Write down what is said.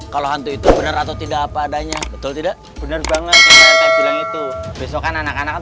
kalau hantu itu bener atau tidak apa adanya betul tidak bener banget itu besok kan anak anak